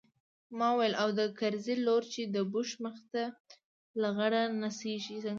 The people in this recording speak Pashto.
ما وويل او د کرزي لور چې د بوش مخې ته لغړه نڅېږي څنګه.